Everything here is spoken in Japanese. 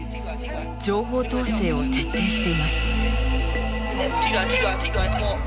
情報統制を徹底しています。